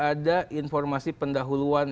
ada informasi pendahuluan